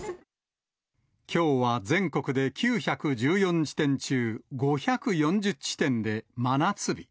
きょうは全国で９１４地点中５４０地点で真夏日。